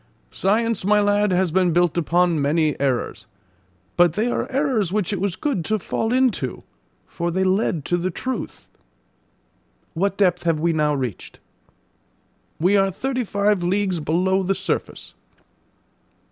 "Science, my lad, has been built upon many errors; but they are errors which it was good to fall into, for they led to the truth." "What depth have we now reached?" "We are thirty five leagues below the surface."